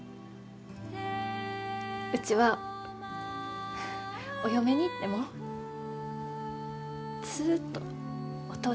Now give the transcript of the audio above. うちはお嫁に行ってもずっとお父